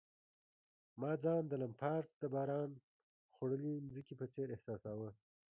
ما ځان د لمپارډ د باران خوړلي مځکې په څېر احساساوه.